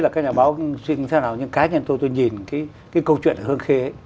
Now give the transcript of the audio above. cái câu chuyện hương khê